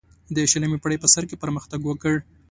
د شلمې پیړۍ په سر کې پرمختګ وکړ.